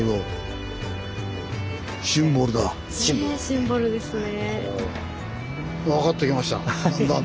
シンボルですね。